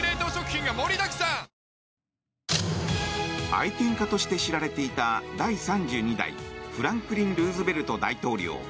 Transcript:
愛犬家として知られていた第３２代フランクリン・ルーズベルト大統領。